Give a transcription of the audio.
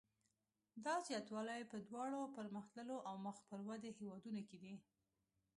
دا زیاتوالی په دواړو پرمختللو او مخ پر ودې هېوادونو کې دی.